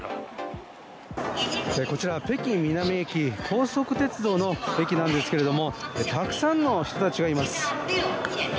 こちら北京南駅高速鉄道の駅なんですけれどたくさんの人たちがいます。